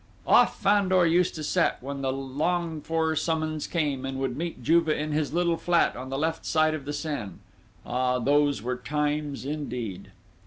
Off Fandor used to set when the longed for summons came, and would meet Juve in his little flat on the left side of the Seine. Ah, those were times, indeed!